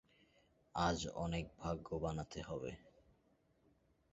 আজ অনেক ভাগ্য বানাতে হবে!